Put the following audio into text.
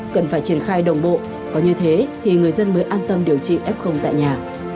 cần phải triển khai đồng bộ có như thế thì người dân mới an tâm điều trị f tại nhà